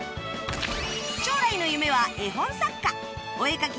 将来の夢は絵本作家お絵描き